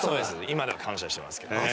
今では感謝してますけどね。